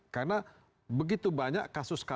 karena begitu banyak kasus terjadi